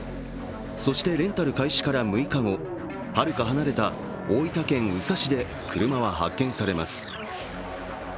そしてレンタル開始から６日後、はるか離れた大分県宇佐市で車は発見されます